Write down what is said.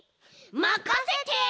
まかせて！